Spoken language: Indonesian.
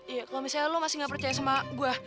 iya kalau misalnya lo masih nggak percaya sama gue